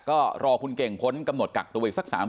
ก็รอคุณเก่งพ้นกำหนดกักตัวอีกสัก๓คน